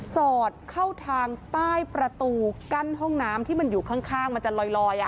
สอดเข้าทางใต้ประตูกั้นห้องน้ำที่มันอยู่ข้างมันจะลอย